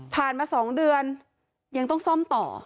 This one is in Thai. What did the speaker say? มา๒เดือนยังต้องซ่อมต่อ